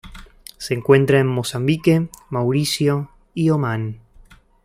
Se encuentra en Mozambique, Mauricio y Omán.